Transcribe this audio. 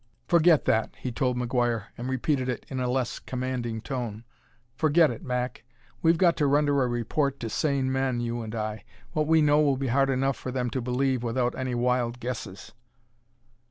"Forget that!" he told McGuire, and repeated it in a less commanding tone. "Forget it, Mac: we've got to render a report to sane men, you and I. What we know will be hard enough for them to believe without any wild guesses.